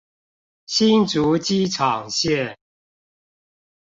新竹機場線